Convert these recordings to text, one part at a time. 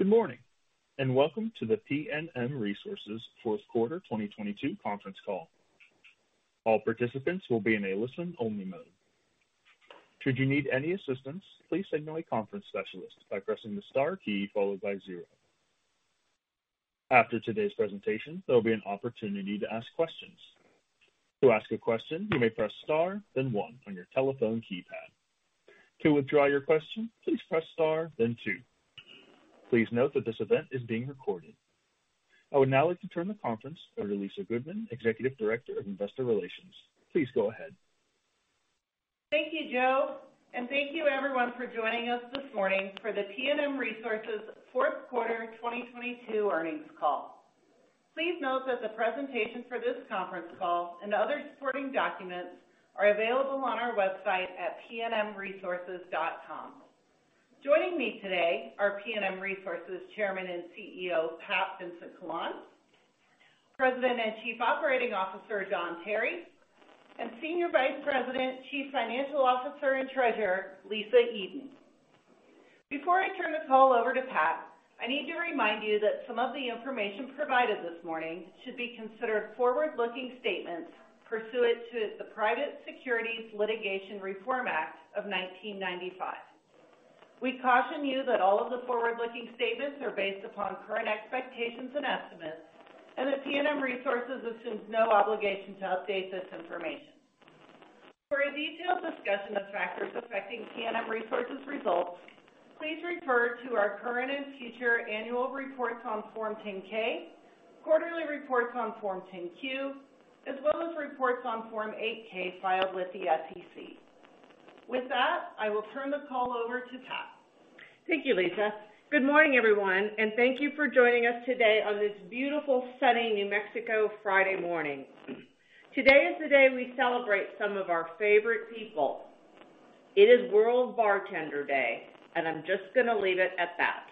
Good morning, and welcome to the PNM Resources fourth quarter 2022 conference call. All participants will be in a listen-only mode. Should you need any assistance, please signal a conference specialist by pressing the star key followed by zero. After today's presentation, there'll be an opportunity to ask questions. To ask a question, you may press star, then one your telephone keypad. To withdraw your question, please press star then two. Please note that this event is being recorded. I would now like to turn the conference over to Lisa Goodman, Executive Director of Investor Relations. Please go ahead. Thank you, Joe, and thank you everyone for joining us this morning for the PNM Resources fourth quarter 2022 earnings call. Please note that the presentation for this conference call and other supporting documents are available on our website at pnmresources.com. Joining me today are PNM Resources Chairman and CEO, Pat Vincent-Collawn, President and Chief Operating Officer, Don Tarry, and Senior Vice President, Chief Financial Officer, and Treasurer, Lisa Eden. Before I turn the call over to Pat, I need to remind you that some of the information provided this morning should be considered forward-looking statements pursuant to the Private Securities Litigation Reform Act of 1995. We caution you that all of the forward-looking statements are based upon current expectations and estimates, and that PNM Resources assumes no obligation to update this information. For a detailed discussion of factors affecting PNM Resources results, please refer to our current and future annual reports on Form 10-K, quarterly reports on Form 10-Q, as well as reports on Form 8-K filed with the SEC. I will turn the call over to Pat. Thank you, Lisa Goodman. Good morning, everyone, and thank you for joining us today on this beautiful, sunny New Mexico Friday morning. Today is the day we celebrate some of our favorite people. It is World Bartender Day, and I'm just gonna leave it at that.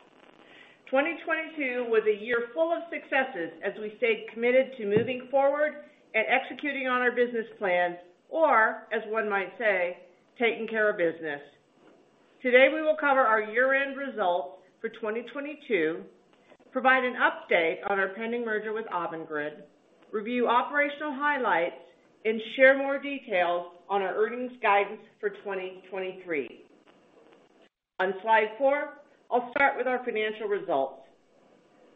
2022 was a year full of successes as we stayed committed to moving forward and executing on our business plan, or, as one might say, taking care of business. Today, we will cover our year-end results for 2022, provide an update on our pending merger with AVANGRID, review operational highlights, and share more details on our earnings guidance for 2023. slide four, I'll start with our financial results.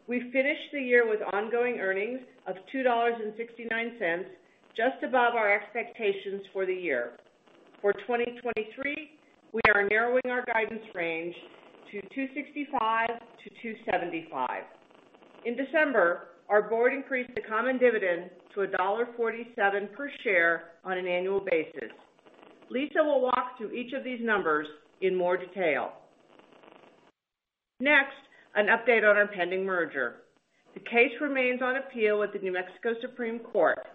We finished the year with ongoing earnings of $2.69, just above our expectations for the year. For 2023, we are narrowing our guidance range to $2.65-$2.75. In December, our board increased the common dividend to $1.47 per share on an annual basis. Lisa will walk through each of these numbers in more detail. Next, an update on our pending merger. The case remains on appeal with the New Mexico Supreme Court.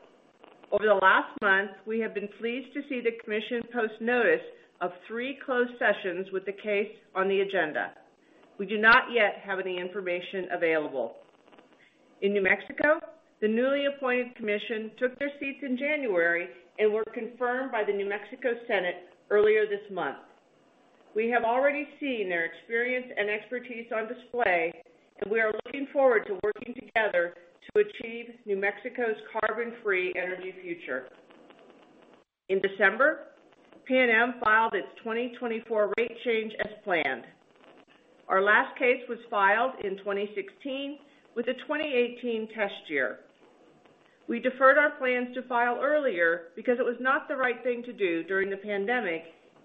Over the last month, we have been pleased to see the Commission post notice of 3 closed sessions with the case on the agenda. We do not yet have any information available. In New Mexico, the newly appointed commission took their seats in January and were confirmed by the New Mexico Senate earlier this month. We have already seen their experience and expertise on display, and we are looking forward to working together to achieve New Mexico's carbon-free energy future. In December, PNM filed its 2024 rate change as planned. Our last case was filed in 2016 with a 2018 test year. We deferred our plans to file earlier because it was not the right thing to do during the pandemic,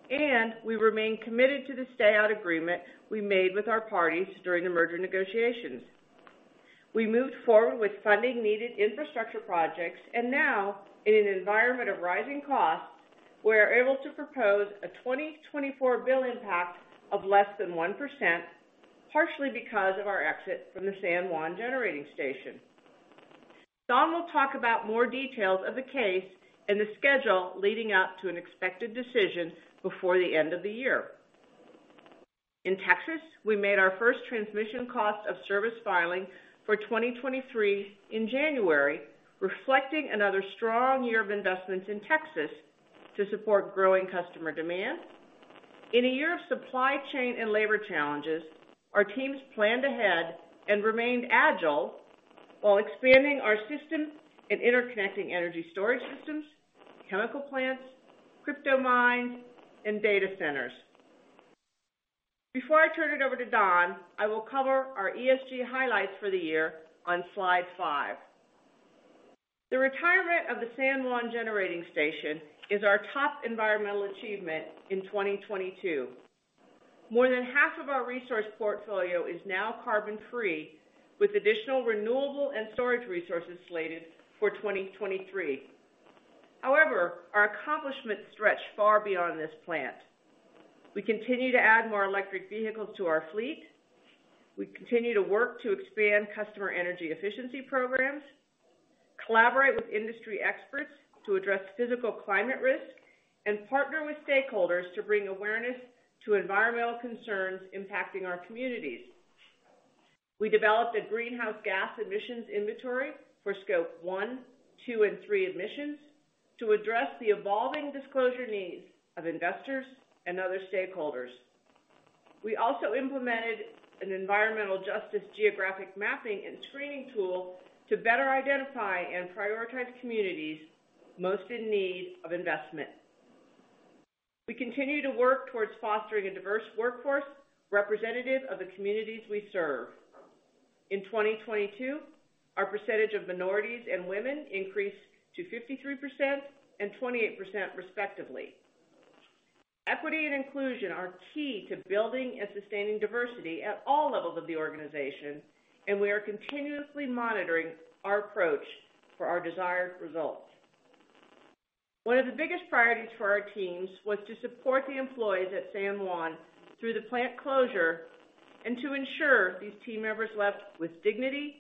and we remain committed to the stay-out agreement we made with our parties during the merger negotiations. We moved forward with funding needed infrastructure projects, and now, in an environment of rising costs, we are able to propose a 2024 bill impact of less than 1%, partially because of our exit from the San Juan Generating Station. Don will talk about more details of the case and the schedule leading up to an expected decision before the end of the year. In Texas, we made our first Transmission Cost of Service filing for 2023 in January, reflecting another strong year of investments in Texas to support growing customer demand. In a year of supply chain and labor challenges, our teams planned ahead and remained agile while expanding our system and interconnecting energy storage systems, chemical plants, crypto mines, and data centers. Before I turn it over to Don, I will cover our ESG highlights for the year on slide five. The retirement of the San Juan Generating Station is our top environmental achievement in 2022. More than half of our resource portfolio is now carbon-free, with additional renewable and storage resources slated for 2023. However, our accomplishments stretch far beyond this plant. We continue to add more electric vehicles to our fleet. We continue to work to expand customer energy efficiency programs, collaborate with industry experts to address physical climate risk, and partner with stakeholders to bring awareness to environmental concerns impacting our communities. We developed a greenhouse gas emissions inventory for Scope 1, 2, and 3 emissions to address the evolving disclosure needs of investors and other stakeholders. We also implemented an environmental justice geographic mapping and screening tool to better identify and prioritize communities most in need of investment. We continue to work towards fostering a diverse workforce representative of the communities we serve. In 2022, our percentage of minorities and women increased to 53% and 28% respectively. Equity and inclusion are key to building and sustaining diversity at all levels of the organization. We are continuously monitoring our approach for our desired results. One of the biggest priorities for our teams was to support the employees at San Juan through the plant closure and to ensure these team members left with dignity,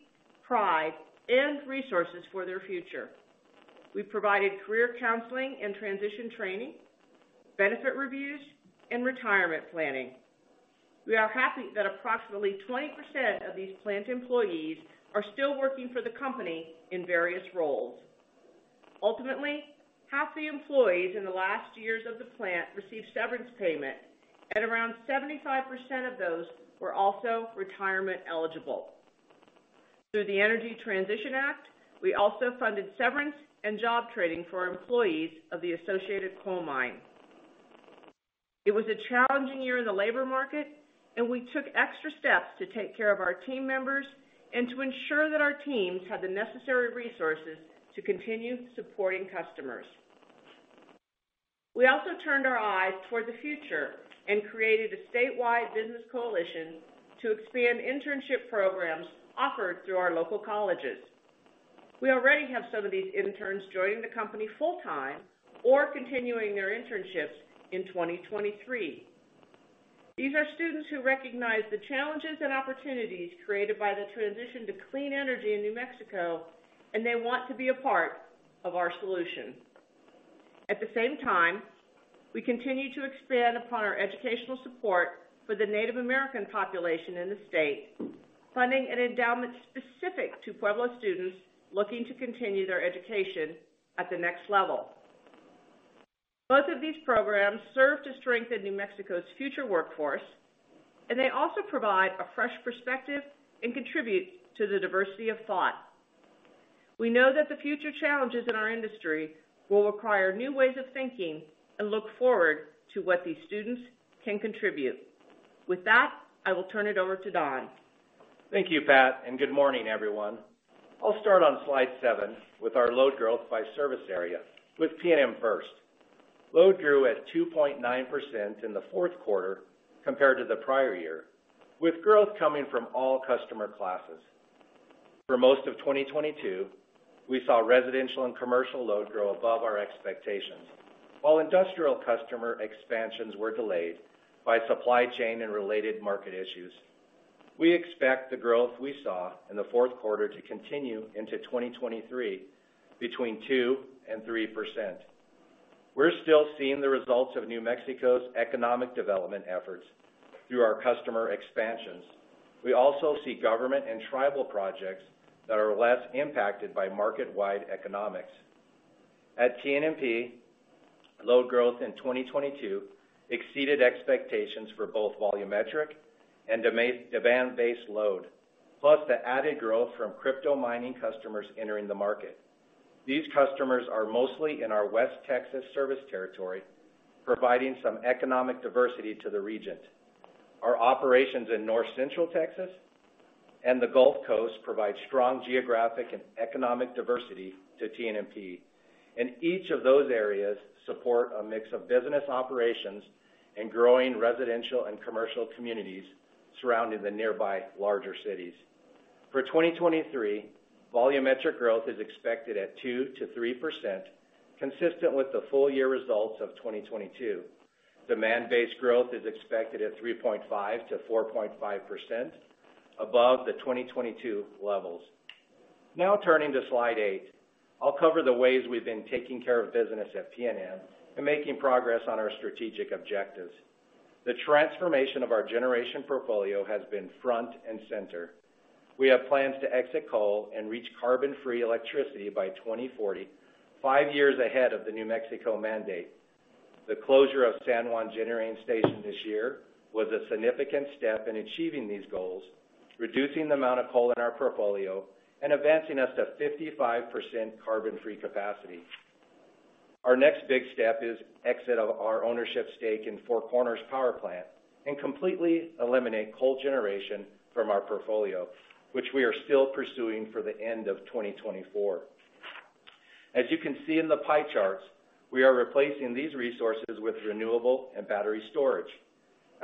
pride, and resources for their future. We provided career counseling and transition training, benefit reviews, and retirement planning. We are happy that approximately 20% of these plant employees are still working for the company in various roles. Ultimately, half the employees in the last years of the plant received severance payment at around 75% of those were also retirement eligible. Through the Energy Transition Act, we also funded severance and job training for employees of the Associated Coal Mine. It was a challenging year in the labor market, we took extra steps to take care of our team members and to ensure that our teams had the necessary resources to continue supporting customers. We also turned our eyes toward the future and created a statewide business coalition to expand internship programs offered through our local colleges. We already have some of these interns joining the company full-time or continuing their internships in 2023. These are students who recognize the challenges and opportunities created by the transition to clean energy in New Mexico, and they want to be a part of our solution. At the same time, we continue to expand upon our educational support for the Native American population in the state, funding an endowment specific to Pueblo students looking to continue their education at the next level. Both of these programs serve to strengthen New Mexico's future workforce, and they also provide a fresh perspective and contribute to the diversity of thought. We know that the future challenges in our industry will require new ways of thinking and look forward to what these students can contribute. With that, I will turn it over to Don. Thank you, Pat. Good morning, everyone. I'll start on slide seven with our load growth by service area with PNM first. Load grew at 2.9% in the fourth quarter compared to the prior year, with growth coming from all customer classes. For most of 2022, we saw residential and commercial load grow above our expectations. While industrial customer expansions were delayed by supply chain and related market issues, we expect the growth we saw in the fourth quarter to continue into 2023 between 2%-3%. We're still seeing the results of New Mexico's economic development efforts through our customer expansions. We also see government and tribal projects that are less impacted by market-wide economics. At TNMP, load growth in 2022 exceeded expectations for both volumetric and demand-based load, plus the added growth from crypto mining customers entering the market. These customers are mostly in our West Texas service territory, providing some economic diversity to the region. Each of those areas support a mix of business operations and growing residential and commercial communities surrounding the nearby larger cities. For 2023, volumetric growth is expected at 2%-3%, consistent with the full-year results of 2022. Demand-based growth is expected at 3.5%-4.5% above the 2022 levels. Turning to slide 8. I'll cover the ways we've been taking care of business at PNM and making progress on our strategic objectives. The transformation of our generation portfolio has been front and center. We have plans to exit coal and reach carbon-free electricity by 2040, five years ahead of the New Mexico mandate. The closure of San Juan Generating Station this year was a significant step in achieving these goals, reducing the amount of coal in our portfolio and advancing us to 55% carbon-free capacity. Our next big step is exit of our ownership stake in Four Corners Power Plant and completely eliminate coal generation from our portfolio, which we are still pursuing for the end of 2024. As you can see in the pie charts, we are replacing these resources with renewable and battery storage.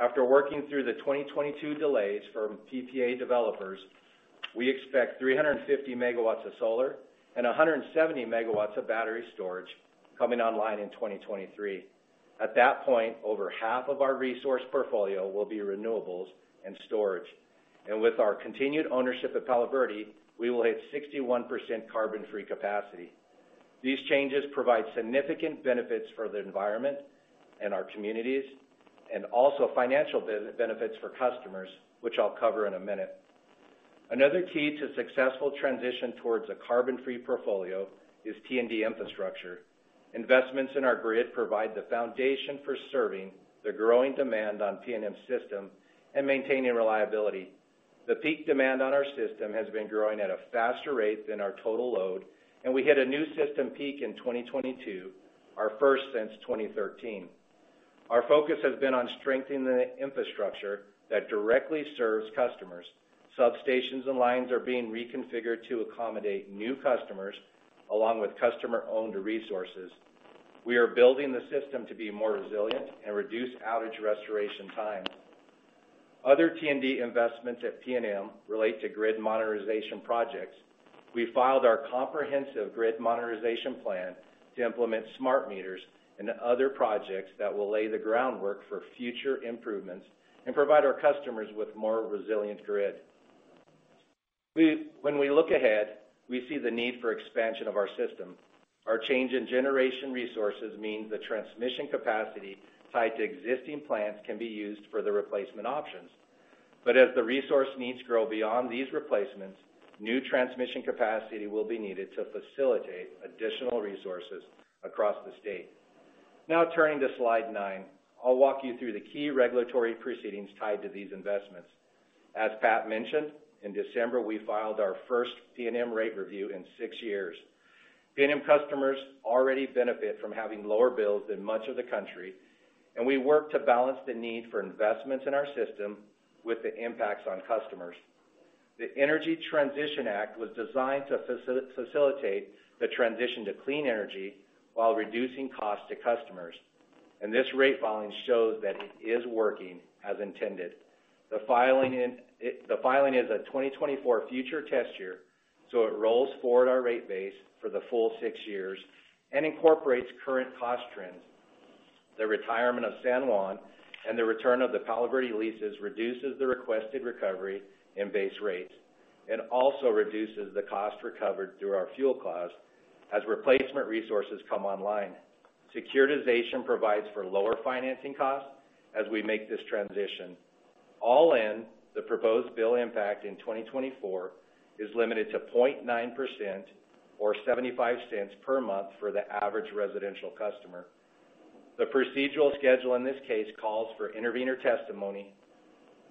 After working through the 2022 delays from PPA developers, we expect 350 megawatts of solar and 170 megawatts of battery storage coming online in 2023. At that point, over half of our resource portfolio will be renewables and storage. With our continued ownership of Palo Verde, we will hit 61% carbon-free capacity. These changes provide significant benefits for the environment and our communities, and also financial benefits for customers, which I'll cover in a minute. Another key to successful transition towards a carbon-free portfolio is T&D infrastructure. Investments in our grid provide the foundation for serving the growing demand on PNM system and maintaining reliability. The peak demand on our system has been growing at a faster rate than our total load, and we hit a new system peak in 2022, our first since 2013. Our focus has been on strengthening the infrastructure that directly serves customers. Substations and lines are being reconfigured to accommodate new customers, along with customer-owned resources. We are building the system to be more resilient and reduce outage restoration time. Other T&D investments at PNM relate to grid modernization projects. We filed our comprehensive grid modernization plan to implement smart meters and other projects that will lay the groundwork for future improvements and provide our customers with more resilient grid. When we look ahead, we see the need for expansion of our system. Our change in generation resources means the transmission capacity tied to existing plants can be used for the replacement options. As the resource needs grow beyond these replacements, new transmission capacity will be needed to facilitate additional resources across the state. Turning to slide nine. I'll walk you through the key regulatory proceedings tied to these investments. As Pat mentioned, in December, we filed our first PNM rate review in six years. PNM customers already benefit from having lower bills than much of the country, and we work to balance the need for investments in our system with the impacts on customers. The Energy Transition Act was designed to facilitate the transition to clean energy while reducing costs to customers, and this rate filing shows that it is working as intended. The filing is a 2024 future test year, so it rolls forward our rate base for the full 6 years and incorporates current cost trends. The retirement of San Juan and the return of the Palo Verde leases reduces the requested recovery in base rates and also reduces the cost recovered through our fuel clause as replacement resources come online. Securitization provides for lower financing costs as we make this transition. All in, the proposed bill impact in 2024 is limited to 0.9% or $0.75 per month for the average residential customer. The procedural schedule in this case calls for intervener testimony,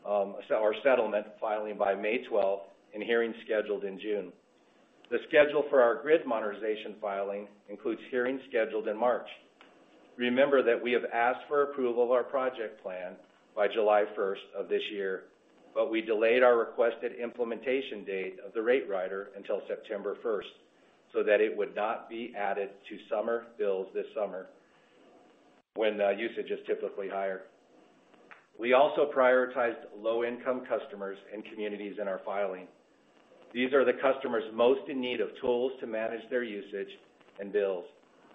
Our settlement filing by May 12 and hearing scheduled in June. The schedule for our grid modernization filing includes hearings scheduled in March. Remember that we have asked for approval of our project plan by July 1 of this year, but we delayed our requested implementation date of the rate rider until September 1 so that it would not be added to summer bills this summer when usage is typically higher. We also prioritized low-income customers and communities in our filing. These are the customers most in need of tools to manage their usage and bills,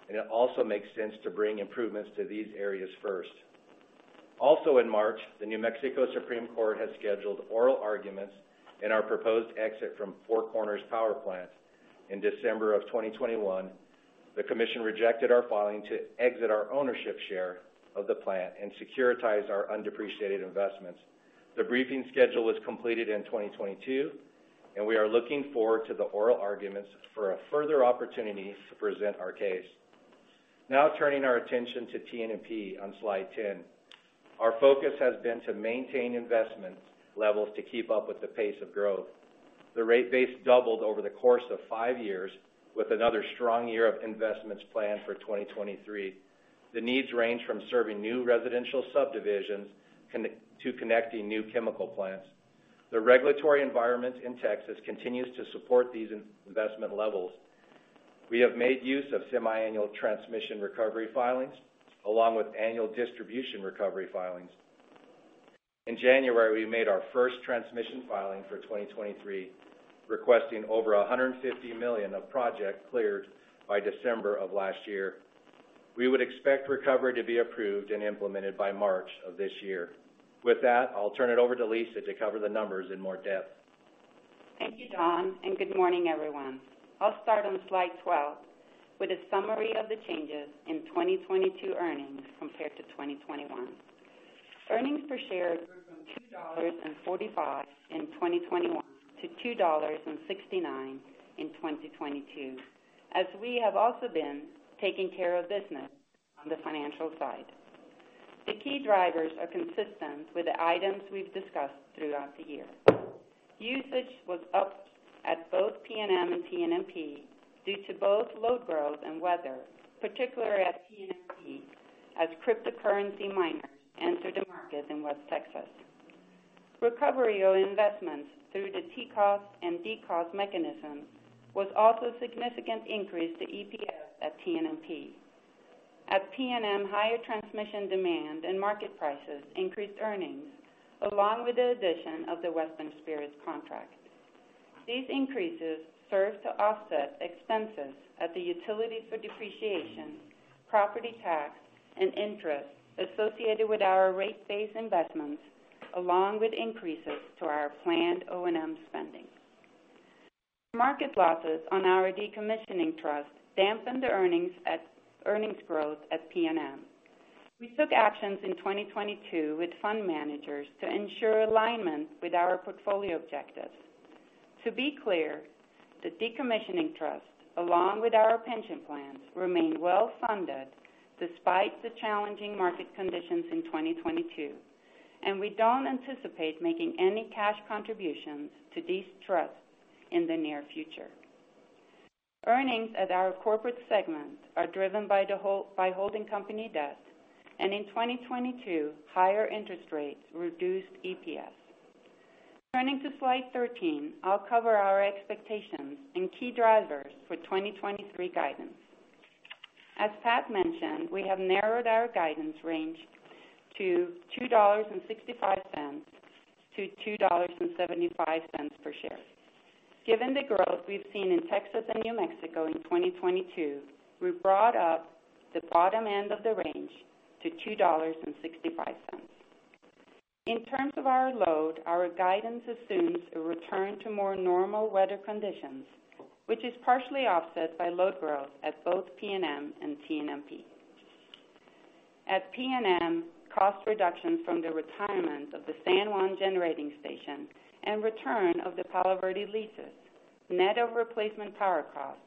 and it also makes sense to bring improvements to these areas first. In March, the New Mexico Supreme Court has scheduled oral arguments in our proposed exit from Four Corners Power Plant. In December 2021, the commission rejected our filing to exit our ownership share of the plant and securitize our undepreciated investments. The briefing schedule was completed in 2022, and we are looking forward to the oral arguments for a further opportunity to present our case. Turning our attention to TNMP on slide 10. Our focus has been to maintain investment levels to keep up with the pace of growth. The rate base doubled over the course of 5 years with another strong year of investments planned for 2023. The needs range from serving new residential subdivisions to connecting new chemical plants. The regulatory environment in Texas continues to support these investment levels. We have made use of semiannual transmission recovery filings along with annual distribution recovery filings. In January, we made our first transmission filing for 2023, requesting over $150 million of projects cleared by December of last year. We would expect recovery to be approved and implemented by March of this year. With that, I'll turn it over to Lisa to cover the numbers in more depth. Thank you, Don, and good morning, everyone. I'll start on slide 12 with a summary of the changes in 2022 earnings compared to 2021. Earnings per share from $2.45 in 2021 to $2.69 in 2022, as we have also been taking care of business on the financial side. The key drivers are consistent with the items we've discussed throughout the year. Usage was up at both PNM and TNMP due to both load growth and weather, particularly at TNMP, as cryptocurrency miners entered the market in West Texas. Recovery of investments through the TCOS and DCOS mechanisms was also a significant increase to EPS at TNMP. At PNM, higher transmission demand and market prices increased earnings along with the addition of the Western Spirit contract. These increases served to offset expenses at the utility for depreciation, property tax and interest associated with our rate base investments, along with increases to our planned O&M spending. Market losses on our decommissioning trust dampened the earnings growth at PNM. We took actions in 2022 with fund managers to ensure alignment with our portfolio objectives. To be clear, the decommissioning trust, along with our pension plans, remain well funded despite the challenging market conditions in 2022. We don't anticipate making any cash contributions to these trusts in the near future. Earnings at our corporate segment are driven by holding company debt. In 2022, higher interest rates reduced EPS. Turning to slide 13, I'll cover our expectations and key drivers for 2023 guidance. As Pat mentioned, we have narrowed our guidance range to $2.65-$2.75 per share. Given the growth we've seen in Texas and New Mexico in 2022, we brought up the bottom end of the range to $2.65. In terms of our load, our guidance assumes a return to more normal weather conditions, which is partially offset by load growth at both PNM and TNMP. At PNM, cost reductions from the retirement of the San Juan Generating Station and return of the Palo Verde leases, net of replacement power costs,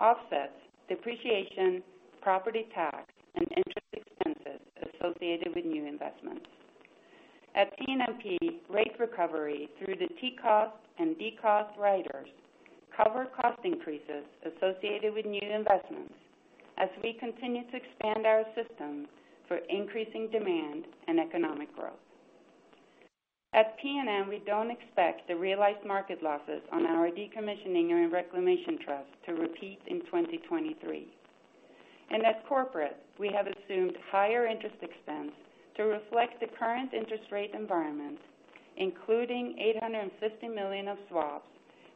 offsets depreciation, property tax, and interest expenses associated with new investments. At TNMP, rate recovery through the TCOS and DCOSS riders cover cost increases associated with new investments as we continue to expand our systems for increasing demand and economic growth. At PNM, we don't expect the realized market losses on our decommissioning and reclamation trust to repeat in 2023. At corporate, we have assumed higher interest expense to reflect the current interest rate environment, including $850 million of swaps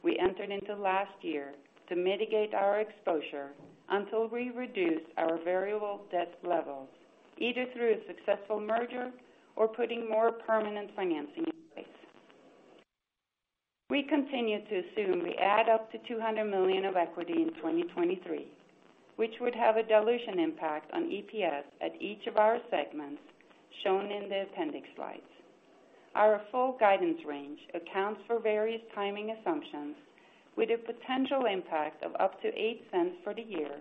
we entered into last year to mitigate our exposure until we reduce our variable debt levels, either through a successful merger or putting more permanent financing in place. We continue to assume we add up to $200 million of equity in 2023, which would have a dilution impact on EPS at each of our segments shown in the appendix slides. Our full guidance range accounts for various timing assumptions with a potential impact of up to $0.08 for the year,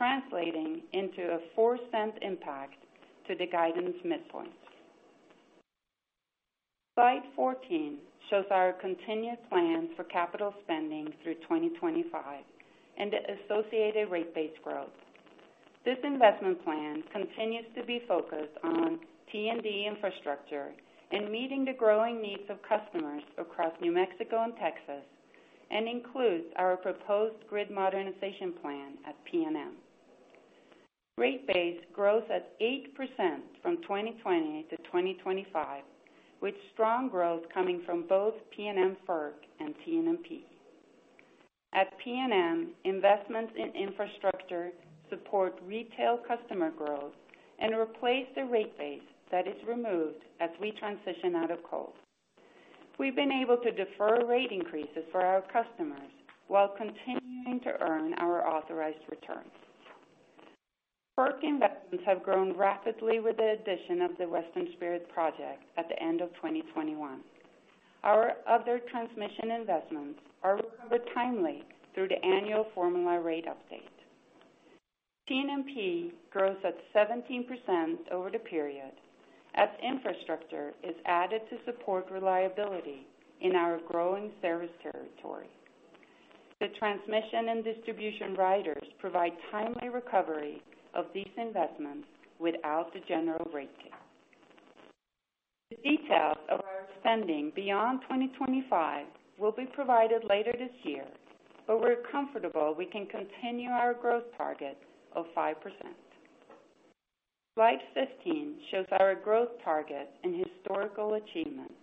translating into a $0.04 impact to the guidance midpoint. Slide 14 shows our continued plan for capital spending through 2025 and the associated rate base growth. This investment plan continues to be focused on T&D infrastructure and meeting the growing needs of customers across New Mexico and Texas and includes our proposed grid modernization plan at PNM. Rate base growth at 8% from 2020 to 2025, with strong growth coming from both PNM FERC and TNMP. At PNM, investments in infrastructure support retail customer growth and replace the rate base that is removed as we transition out of coal. We've been able to defer rate increases for our customers while continuing to earn our authorized returns. FERC investments have grown rapidly with the addition of the Western Spirit project at the end of 2021. Our other transmission investments are recovered timely through the annual formula rate update. TNMP grows at 17% over the period as infrastructure is added to support reliability in our growing service territory. The transmission and distribution riders provide timely recovery of these investments without the general rate case. The details of our spending beyond 2025 will be provided later this year, we're comfortable we can continue our growth target of 5%. Slide 15 shows our growth target and historical achievements.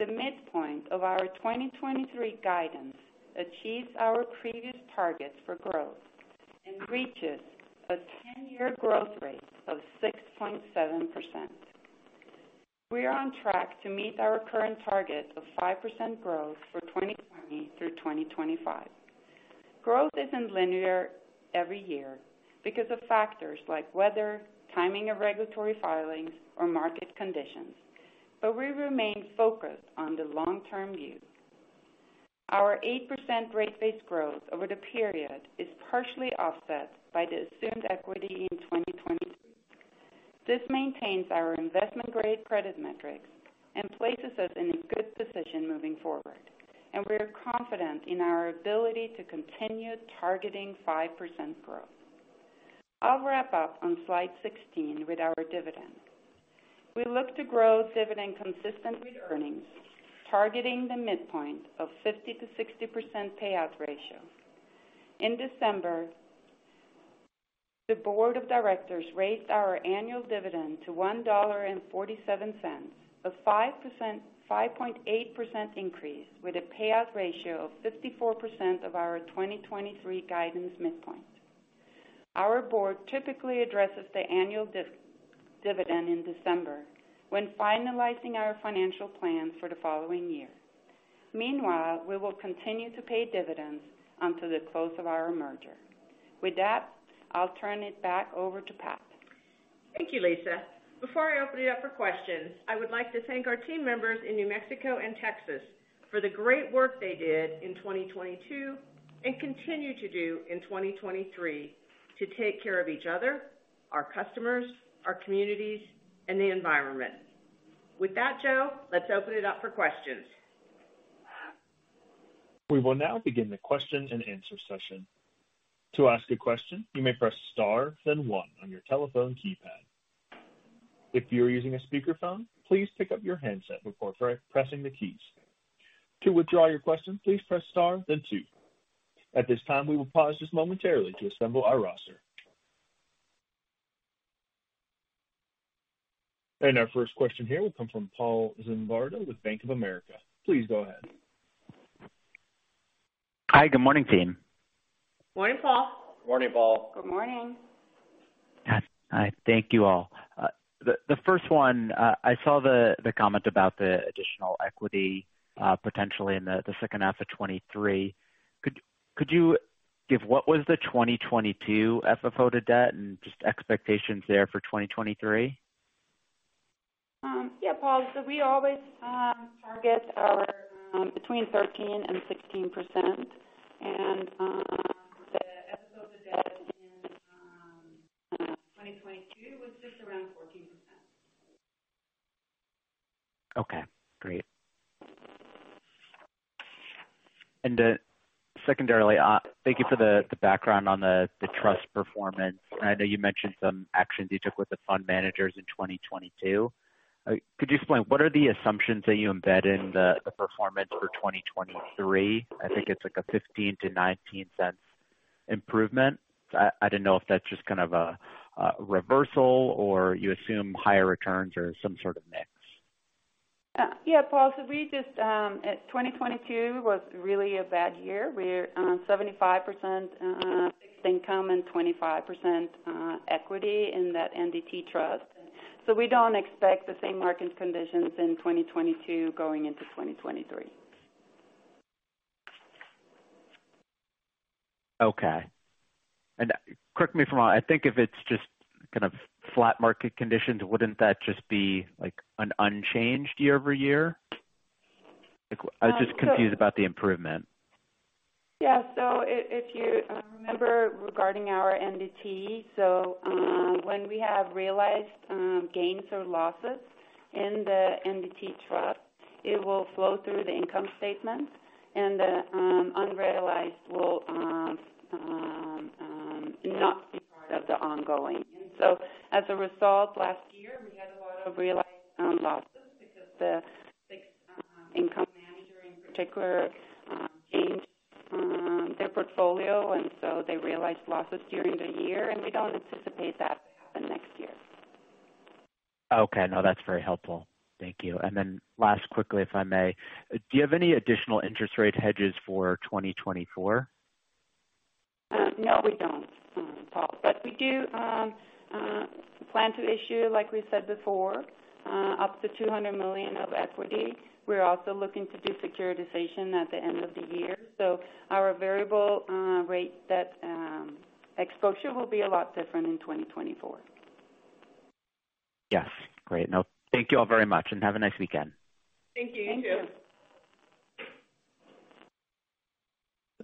The midpoint of our 2023 guidance achieves our previous targets for growth and reaches a 10-year growth rate of 6.7%. We are on track to meet our current target of 5% growth for 2020 through 2025. Growth isn't linear every year because of factors like weather, timing of regulatory filings, or market conditions, we remain focused on the long-term view. Our 8% rate base growth over the period is partially offset by the assumed equity in 2022. This maintains our investment-grade credit metrics and places us in a good position moving forward. We are confident in our ability to continue targeting 5% growth. I'll wrap up on slide 16 with our dividend. We look to grow dividend consistent with earnings, targeting the midpoint of 50%-60% payout ratio. In December, the board of directors raised our annual dividend to $1.47, a 5.8% increase with a payout ratio of 54% of our 2023 guidance midpoint. Our board typically addresses the annual dividend in December when finalizing our financial plans for the following year. Meanwhile, we will continue to pay dividends until the close of our merger. With that, I'll turn it back over to Pat. Thank you, Lisa. Before I open it up for questions, I would like to thank our team members in New Mexico and Texas for the great work they did in 2022 and continue to do in 2023 to take care of each other, our customers, our communities, and the environment. With that, Joe, let's open it up for questions. We will now begin the question-and-answer session. To ask a question, you may press star then one on your telephone keypad. If you are using a speakerphone, please pick up your handset before pre-pressing the keys. To withdraw your question, please press star then two. At this time, we will pause just momentarily to assemble our roster. Our first question here will come from Paul Zimbardo with Bank of America. Please go ahead. Hi. Good morning, team. Morning, Paul. Morning, Paul. Good morning. Hi. Thank you all. the first one, I saw the comment about the additional equity, potentially in the second half of 2023. Could you give what was the 2022 FFO to debt and just expectations there for 2023? Yeah, Paul. We always target our between 13% and 16%. The FFO to debt in 2022 was just around 14%. Okay, great. Secondarily, thank you for the background on the trust performance. I know you mentioned some actions you took with the fund managers in 2022. Could you explain what are the assumptions that you embed in the performance for 2023? I think it's like a $0.15-$0.19 improvement. I didn't know if that's just kind of a reversal or you assume higher returns or some sort of mix. Yeah, Paul. 2022 was really a bad year. We're, 75%, fixed income and 25%, equity in that MDT trust. We don't expect the same market conditions in 2022 going into 2023. Okay. Correct me if I'm wrong, I think if it's just kind of flat market conditions, wouldn't that just be like an unchanged year-over-year? Like I was just confused about the improvement. Yeah. If you remember regarding our MDT. When we have realized gains or losses in the MDT trust, it will flow through the income statement and the unrealized will not be part of the ongoing. As a result, last year we had a lot of realized losses because the fixed income manager in particular changed their portfolio, so they realized losses during the year. We don't anticipate that to happen next year. Okay. No, that's very helpful. Thank you. Last quickly, if I may. Do you have any additional interest rate hedges for 2024? No, we don't, Paul. We do plan to issue, like we said before, up to $200 million of equity. We're also looking to do securitization at the end of the year. Our variable rate debt exposure will be a lot different in 2024. Yes. Great. Thank you all very much and have a nice weekend. Thank you. You too. Thank you.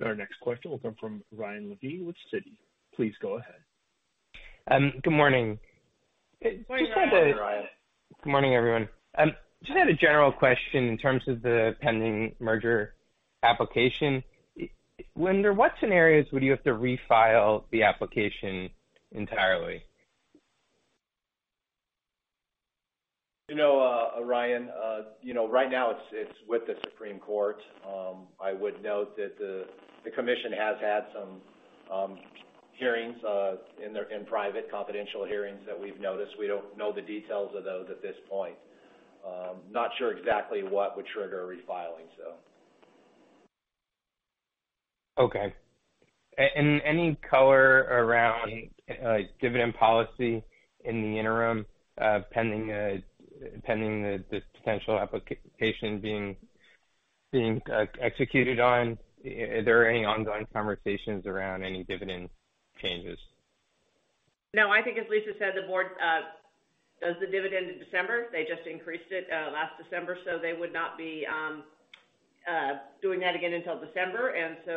Our next question will come from Ryan Levine with Citi. Please go ahead. Good morning. Good morning, Ryan. Good morning, Ryan. Good morning, everyone. Just had a general question in terms of the pending merger application. Under what scenarios would you have to refile the application entirely? You know, Ryan, you know, right now it's with the Supreme Court. I would note that the Commission has had some hearings in private confidential hearings that we've noticed. We don't know the details of those at this point. Not sure exactly what would trigger a refiling, so. Okay. Any color around, dividend policy in the interim, pending the potential application being executed on, are there any ongoing conversations around any dividend changes? I think as Lisa said, the board does the dividend in December. They just increased it last December. They would not be doing that again until December.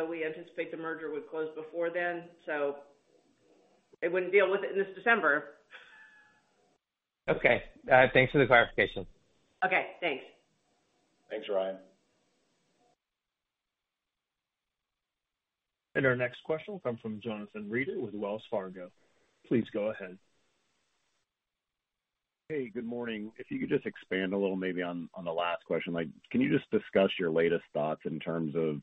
We anticipate the merger would close before then. They wouldn't deal with it this December. Okay. Thanks for the clarification. Okay. Thanks. Thanks, Ryan. Our next question will come from Jonathan Reeder with Wells Fargo. Please go ahead. Hey, good morning. If you could just expand a little maybe on the last question. Like, can you just discuss your latest thoughts in terms of,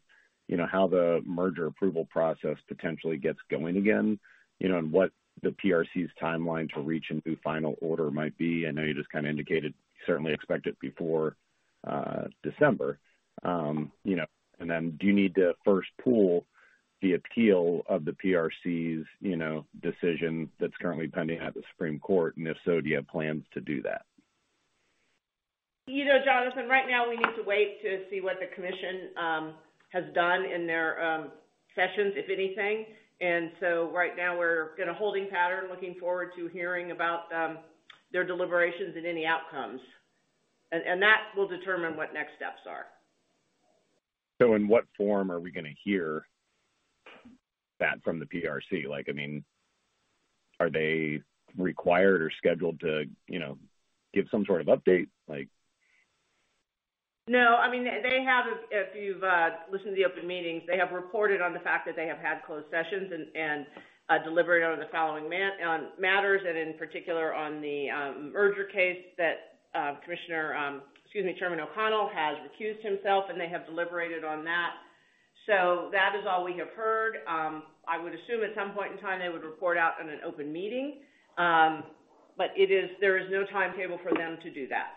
you know, how the merger approval process potentially gets going again, you know, and what the PRC's timeline to reach a new final order might be? I know you just kind of indicated you certainly expect it before December. You know, do you need to first pool the appeal of the PRC's, you know, decision that's currently pending at the Supreme Court? If so, do you have plans to do that? You know, Jonathan, right now we need to wait to see what the commission has done in their sessions, if anything. Right now we're in a holding pattern, looking forward to hearing about their deliberations and any outcomes. That will determine what next steps are. In what form are we gonna hear that from the PRC? Like, I mean, are they required or scheduled to, you know, give some sort of update? Like... No. I mean, they have, if you've listened to the open meetings, they have reported on the fact that they have had closed sessions and deliberated on the following on matters and in particular on the merger case that commissioner, excuse me, Chairman O'Connell has recused himself, and they have deliberated on that. That is all we have heard. I would assume at some point in time they would report out on an open meeting. There is no timetable for them to do that.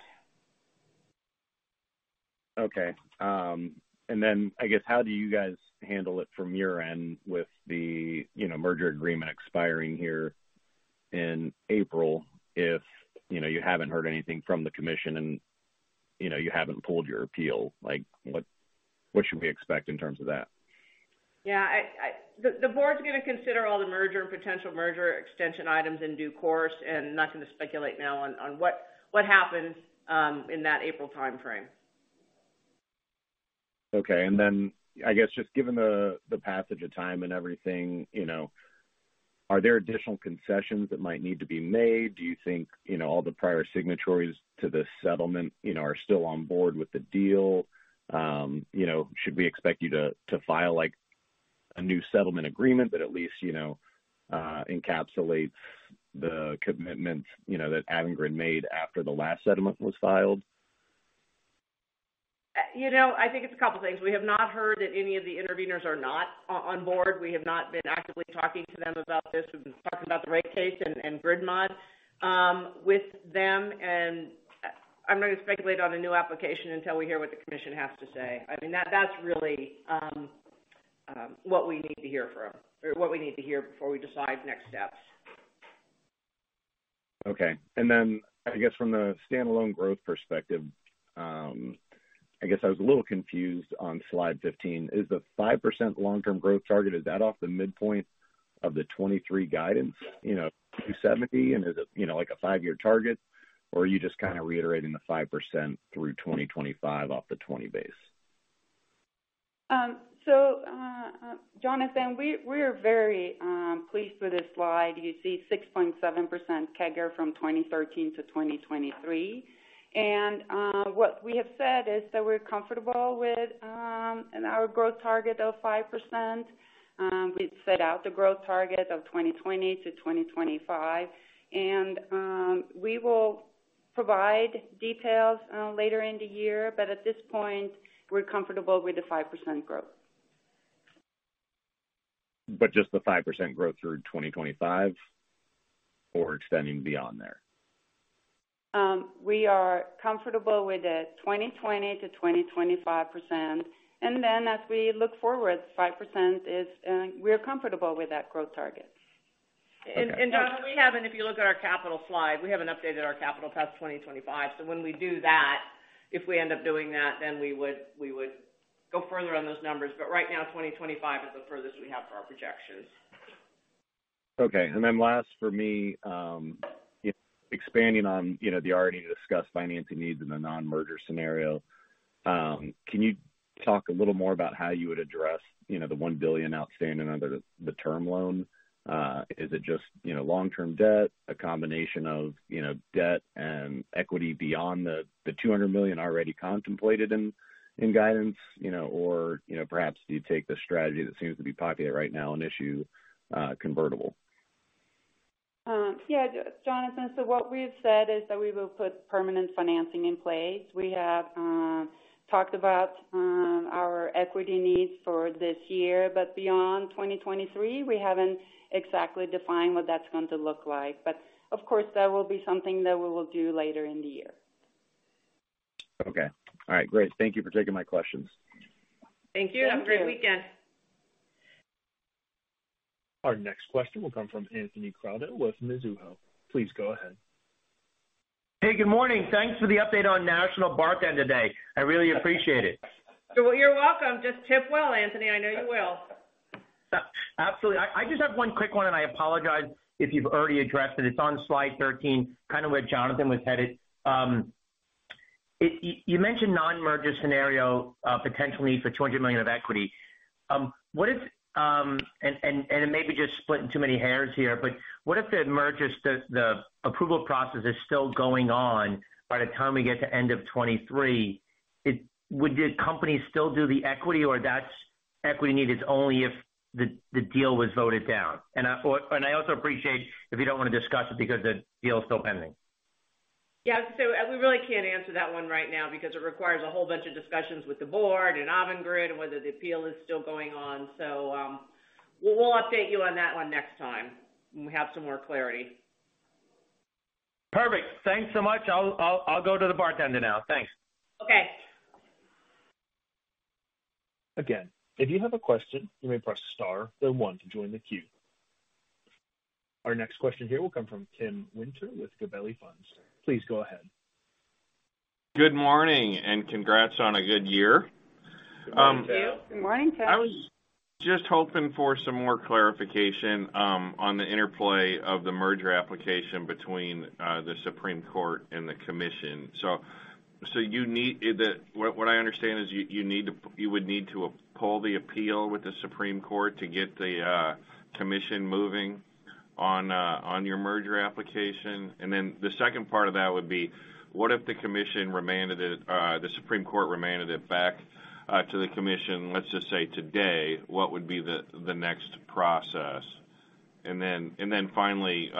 Okay. I guess, how do you guys handle it from your end with the, you know, merger agreement expiring here in April, if, you know, you haven't heard anything from the commission and, you know, you haven't pooled your appeal? Like, what should we expect in terms of that? Yeah. The board's gonna consider all the merger and potential merger extension items in due course. I'm not gonna speculate now on what happens in that April timeframe. Okay. Then I guess just given the passage of time and everything, you know, are there additional concessions that might need to be made? Do you think, you know, all the prior signatories to this settlement, you know, are still on board with the deal? You know, should we expect you to file, like, a new settlement agreement that at least, you know, encapsulates the commitment, you know, that AVANGRID made after the last settlement was filed? You know, I think it's a couple things. We have not heard that any of the interveners are not on board. We have not been actively talking to them about this. We've been talking about the rate case and grid mod with them. I'm not gonna speculate on a new application until we hear what the commission has to say. I mean, that's really what we need to hear from or what we need to hear before we decide next steps. Okay. I guess from the standalone growth perspective, I guess I was a little confused on slide 15. Is the 5% long-term growth target, is that off the midpoint of the 2023 guidance, you know, $2.70? Is it, you know, like a 5-year target? Are you just kind of reiterating the 5% through 2025 off the 20 base? Jonathan, we're very pleased with this slide. You see 6.7% CAGR from 2013 to 2023. What we have said is that we're comfortable with our growth target of 5%. We've set out the growth target of 2020 to 2025. We will provide details later in the year, but at this point, we're comfortable with the 5% growth. Just the 5% growth through 2025 or extending beyond there? We are comfortable with the 20%-25%. As we look forward, 5% is, we are comfortable with that growth target. Okay. Jonathan, if you look at our capital slide, we haven't updated our capital past 2025. When we do that, if we end up doing that, then we would go further on those numbers. Right now, 2025 is the furthest we have for our projections. Okay. Last for me, expanding on, you know, the already discussed financing needs in the non-merger scenario, can you talk a little more about how you would address, you know, the $1 billion outstanding under the term loan? Is it just, you know, long-term debt, a combination of, you know, debt and equity beyond the $200 million already contemplated in guidance, you know, or, you know, perhaps do you take the strategy that seems to be popular right now and issue, convertible? Jonathan. What we've said is that we will put permanent financing in place. We have talked about our equity needs for this year, beyond 2023, we haven't exactly defined what that's going to look like. Of course, that will be something that we will do later in the year. Okay. All right, great. Thank you for taking my questions. Thank you. Thank you. Have a great weekend. Our next question will come from Anthony Crowdell with Mizuho. Please go ahead. Hey, good morning. Thanks for the update on World Bartender Day today. I really appreciate it. You're welcome. Just tip well, Anthony. I know you will. Absolutely. I just have one quick one, and I apologize if you've already addressed it. It's on slide 13, kind of where Jonathan was headed. You mentioned non-merger scenario, potentially for $200 million of equity. What if, and it may be just splitting too many hairs here, but what if the merger, the approval process is still going on by the time we get to end of 2023? Would the company still do the equity or that's equity needed only if the deal was voted down? I also appreciate if you don't want to discuss it because the deal is still pending. We really can't answer that one right now because it requires a whole bunch of discussions with the board and AVANGRID, whether the appeal is still going on. We'll update you on that one next time when we have some more clarity. Perfect. Thanks so much. I'll go to the bartender now. Thanks. Okay. Again, if you have a question, you may press star then one to join the queue. Our next question here will come from Tim Winter with Gabelli Funds. Please go ahead. Good morning and congrats on a good year. Thank you. Good morning, Tim. I was just hoping for some more clarification on the interplay of the merger application between the Supreme Court and the Commission. what I understand is you would need to pull the appeal with the Supreme Court to get the Commission moving on your merger application. The second part of that would be what if the Supreme Court remanded it back to the Commission, let's just say today. What would be the next process? Finally,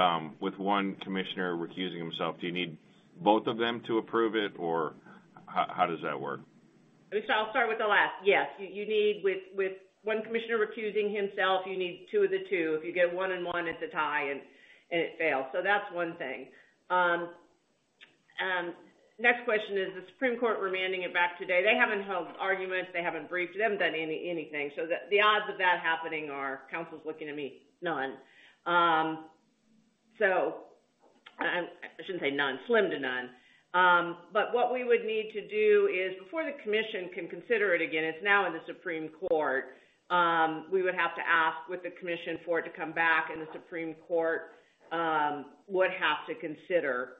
with one commissioner recusing himself, do you need both of them to approve it, or how does that work? I'll start with the last. Yes, you need with one commissioner recusing himself, you need 2 of the 2. If you get 1 and 1, it's a tie and it fails. That's one thing. Next question is the Supreme Court remanding it back today. They haven't held arguments, they haven't briefed, they haven't done anything. The odds of that happening are, counsel's looking at me, none. I shouldn't say none. Slim to none. But what we would need to do is before the Commission can consider it again, it's now in the Supreme Court, we would have to ask with the Commission for it to come back, and the Supreme Court would have to consider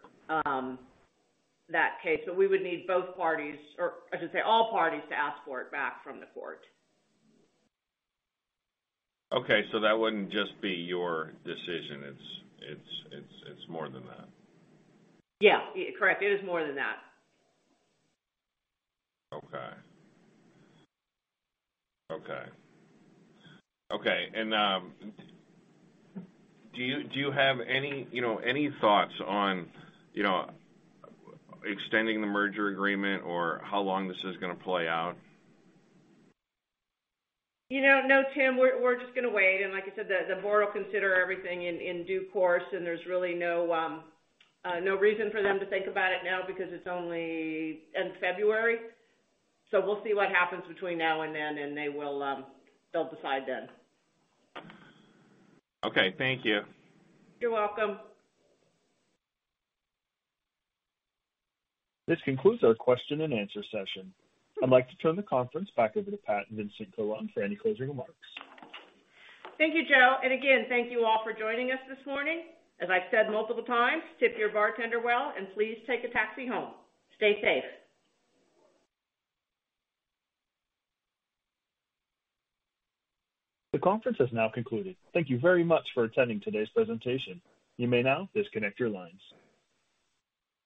that case. We would need both parties, or I should say all parties to ask for it back from the Court. Okay, that wouldn't just be your decision. It's more than that. Yeah. Correct. It is more than that. Okay. Okay. Okay. Do you have any, you know, any thoughts on, you know, extending the merger agreement or how long this is gonna play out? You know, no, Tim, we're just gonna wait. Like I said, the board will consider everything in due course. There's really no reason for them to think about it now because it's only in February. We'll see what happens between now and then. They will, they'll decide then. Okay, thank you. You're welcome. This concludes our question and answer session. I'd like to turn the conference back over to Pat Vincent-Collawn for any closing remarks. Thank you, Joe. Again, thank you all for joining us this morning. As I've said multiple times, tip your bartender well, and please take a taxi home. Stay safe. The conference has now concluded. Thank you very much for attending today's presentation. You may now disconnect your lines.